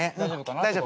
大丈夫。